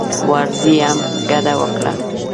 ورځې هم ګډه وکړه.